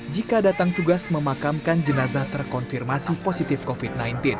jika datang tugas memakamkan jenazah terkonfirmasi positif covid sembilan belas